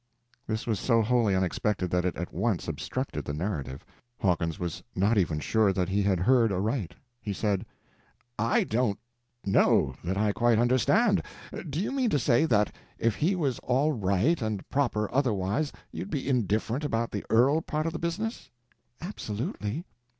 This was so wholly unexpected that it at once obstructed the narrative; Hawkins was not even sure that he had heard aright. He said: "I don't know that I quite understand. Do you mean to say that if he was all right and proper otherwise you'd be indifferent about the earl part of the business?" "Absolutely."